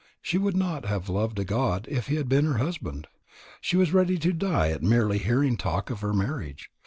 She would not have loved a god if he had been her husband. She was ready to die at merely hearing talk of her marriage.